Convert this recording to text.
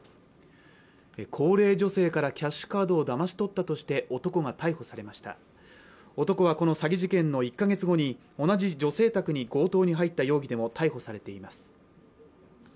高齢女性からキャッシュカードをだまし取ったとして男が逮捕されました男はこの詐欺事件の１か月後に同じ女性宅に強盗に入った容疑でも逮捕されています